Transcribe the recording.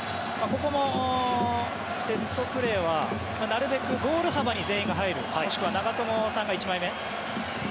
ここもセットプレーはなるべくゴール幅に全員が入るもしくは長友さんが１枚目。